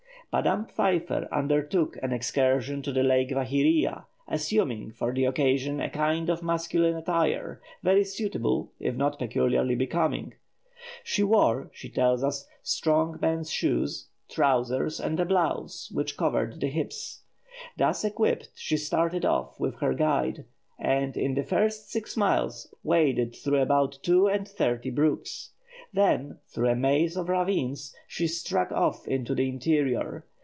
Madame Pfeiffer undertook an excursion to the Lake Vaihiria, assuming for the occasion a kind of masculine attire, very suitable if not peculiarly becoming. She wore, she tells us, strong men's shoes, trousers, and a blouse, which covered the hips. Thus equipped, she started off with her guide, and in the first six miles waded through about two and thirty brooks. Then, through a maze of ravines, she struck off into the interior.